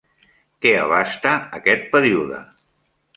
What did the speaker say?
Què abasta aquest període?